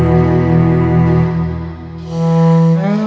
tapi kau belum sadar juga nan